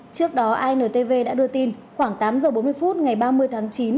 trước đó intv đã đưa tin khoảng tám h bốn mươi phút ngày ba mươi tháng chín